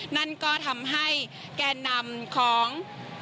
นั่นก็ทำให้แก่นำของ